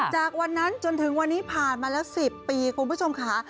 จากวันนั้นจนถึงวันนี้ผ่านมาแล้ว๑๐ปีคุณผู้ชมค่ะ